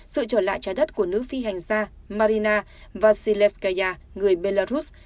sự trở lại trái đất của nữ phi hành gia marina vasilevskaya người belarus